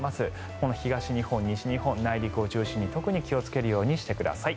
この東日本、西日本内陸を中心に特に気をつけるようにしてください。